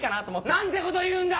何てこと言うんだ！